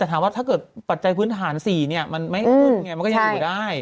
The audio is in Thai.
แต่ถามว่าถ้าเกิดปัจจัยพื้นฐาน๔มันไม่ขึ้นไงมันก็ยังอยู่ได้